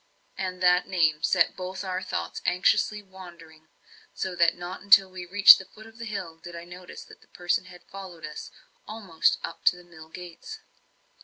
And that name set both our thoughts anxiously wandering; so that not until we reached the foot of the hill did I notice that the person had followed us almost to the mill gates.